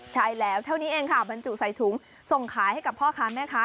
ใช่แล้วเท่านี้เองค่ะบรรจุใส่ถุงส่งขายให้กับพ่อค้าแม่ค้า